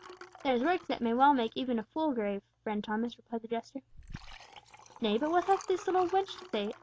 "There is work that may well make even a fool grave, friend Thomas," replied the jester. "Nay, but what hath this little wench to say?"